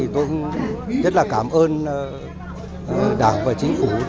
tôi rất là cảm ơn đảng và chính phủ